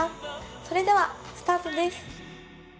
それではスタートです。